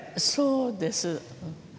そうです。